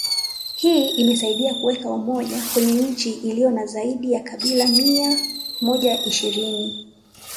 Hii imesaidia kuweka umoja kwenye nchi ilio na zaidi ya kabila mia moja ishirini